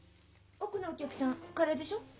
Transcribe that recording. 奥のお客さんカレーでしょう？